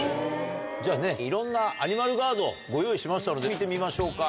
じゃあねいろんなアニマルガードご用意しましたので見てみましょうか。